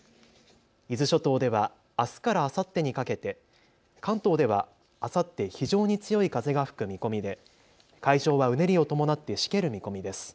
伊豆諸島ではあすからあさってにかけて、関東ではあさって非常に強い風が吹く見込みで海上はうねりを伴ってしける見込みです。